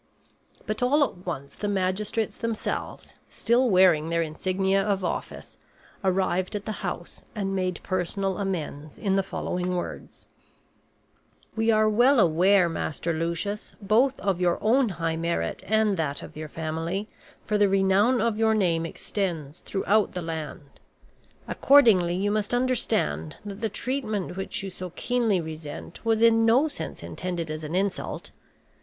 But all at once the magistrates themselves, still wearing their insignia of office, arrived at the house and made personal amends in the following words: "We are well aware, Master Lucius, both of your own high merit and that of your family, for the renown of your name extends throughout the land. Accordingly, you must understand that the treatment which you so keenly resent was in no sense intended as an insult.